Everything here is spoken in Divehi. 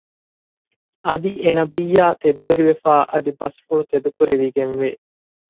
އަދި އެ ނަބިއްޔާ ތެދުވެރިވެފައި އަދި ބަސްފުޅު ތެދު ކުރެވިގެންވޭ